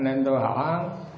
nên tôi hỏi hắn